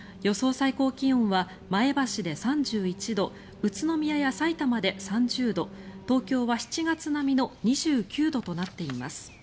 最高気温は前橋で３１度宇都宮やさいたまで３０度東京は７月並みの２９度となっています。